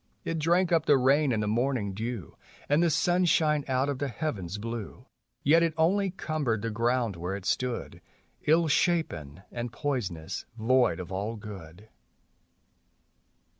It drank up the rain and the morning dew, And the sunshine out of the heavens blue; Yet it only cumbered the ground where it stood, lU shapen and poisonous, void of all good.